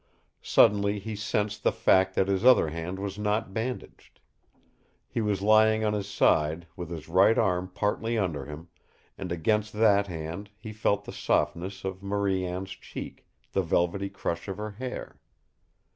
Suddenly he sensed the fact that his other hand was not bandaged. He was lying on his side, with his right arm partly under him, and against that hand he felt the softness of Marie Anne's cheek, the velvety crush of her hair!